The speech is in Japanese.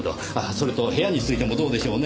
それと部屋についてもどうでしょうねぇ。